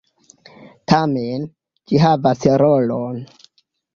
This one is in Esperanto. Tamen, ĝi havas rolon.